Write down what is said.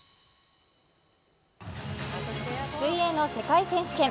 水泳の世界選手権。